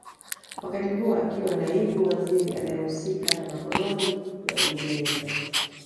Wakati huo akiwa naibu waziri anaehusika na makoloni ya Uingereza